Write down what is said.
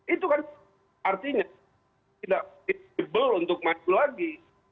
itu kan artinya tidak fitur untuk maju lagi